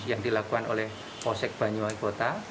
yang dilakukan oleh polsek banyuwangi kota